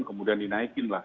kemudian dinaikin lah